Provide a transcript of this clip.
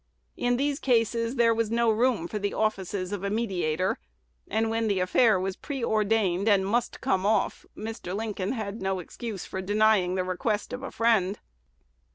In these cases there was no room for the offices of a mediator; and when the affair was pre ordained, "and must come off," Mr. Lincoln had no excuse for denying the request of a friend.